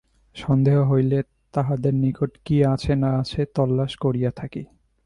সন্দেহ হইলে তাঁহাদের নিকট কি আছে না আছে, তল্লাস করিয়া থাকি।